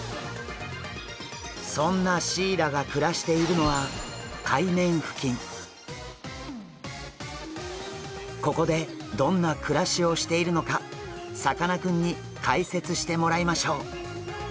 そんなシイラが暮らしているのはここでどんな暮らしをしているのかさかなクンに解説してもらいましょう。